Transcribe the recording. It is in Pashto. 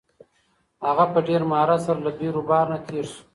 هغه په ډېر مهارت سره له بیروبار نه تېر شو.